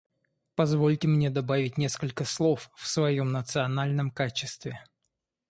Позвольте мне добавить несколько слов в своем национальном качестве.